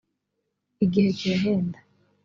igihe kirahenda.